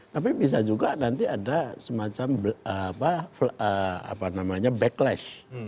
tapi juga nanti ada semacam apa namanya backlash